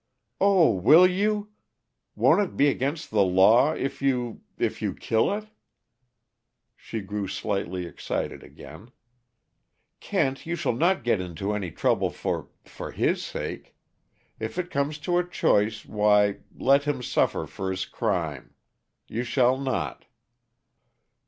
"Oh! Will you won't it be against the law if you if you kill it?" She grew slightly excited again. "Kent, you shall not get into any trouble for for his sake! If it comes to a choice, why let him suffer for his crime. You shall not!"